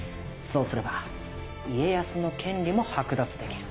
そうすれば家康の権利も剥奪できる。